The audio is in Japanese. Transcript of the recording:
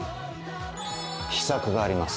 秘策があります。